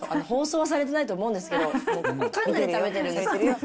放送されてないと思うんですけど、もうかなり食べてるんですよ。